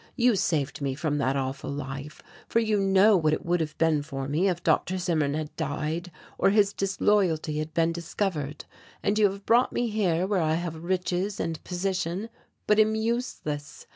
You saved me from that awful life for you know what it would have been for me if Dr. Zimmern had died or his disloyalty had been discovered and you have brought me here where I have riches and position but am useless.